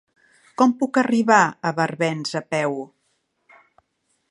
Com puc arribar a Barbens a peu?